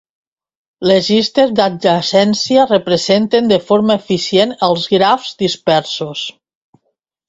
Les llistes d'adjacència representen de forma eficient els grafs dispersos.